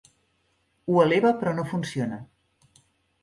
Ho eleva però no funciona.